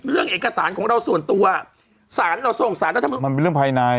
เรื่องเอกสารของเราส่วนตัวสารเราส่งสารรัฐมนุนมันเป็นเรื่องภายใน